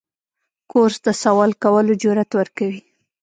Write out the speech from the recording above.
کورس د سوال کولو جرأت ورکوي.